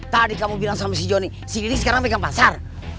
tadi kamu bilang sama si joni si gini sekarang pegang pasar